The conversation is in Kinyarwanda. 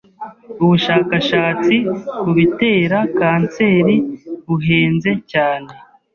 Ubushakashatsi kubitera kanseri buhenze cyane.